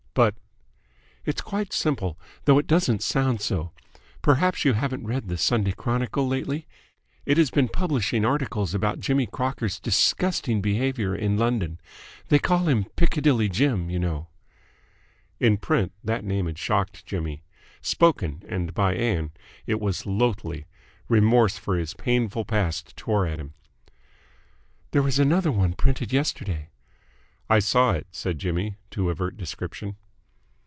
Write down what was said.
"But " "It's quite simple, though it doesn't sound so. Perhaps you haven't read the Sunday Chronicle lately? It has been publishing articles about Jimmy Crocker's disgusting behaviour in London they call him Piccadilly Jim, you know " In print, that name had shocked Jimmy. Spoken, and by Ann, it was loathly. Remorse for his painful past tore at him. "There was another one printed yesterday." "I saw it," said Jimmy, to avert description.